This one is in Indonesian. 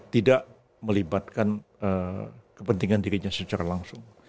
tidak melibatkan kepentingan dirinya secara langsung